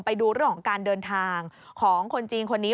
ไปดูเรื่องของการเดินทางของคนจีนคนนี้